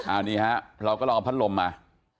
อ้าวนี่ฮะเราก็ลองผ้านลมมา